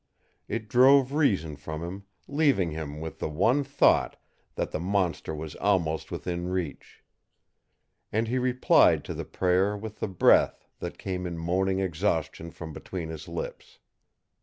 It drove reason from him, leaving him with the one thought that the monster was almost within reach; and he replied to the prayer with the breath that came in moaning exhaustion from between his lips.